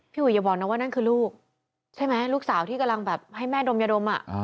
อุ๋ยอย่าบอกนะว่านั่นคือลูกใช่ไหมลูกสาวที่กำลังแบบให้แม่ดมยาดม